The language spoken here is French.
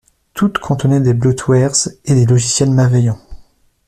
Toutes contenaient des bloatwares et des logiciels malveillants.